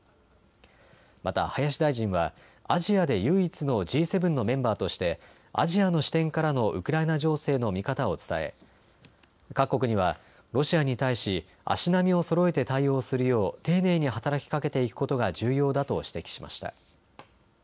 また林大臣はアジアで唯一のＧ７のメンバーとしてアジアの視点からのウクライナ情勢の見方を伝え各国にはロシアに対し足並みをそろえて対応するよう丁寧に働きかけていくことが重要だと指摘しました。